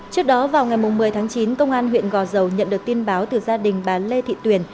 trước đó vào ngày một mươi tháng chín công an huyện gò dầu nhận được tin báo từ gia đình bà lê thị tuyền